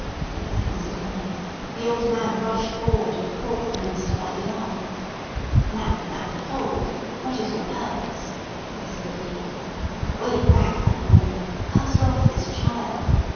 Be that as it might, the old man rushed forward, and caught the minister by the arm. "Madman, hold! what is your purpose?" whispered he. "Wave back that woman! Cast off this child!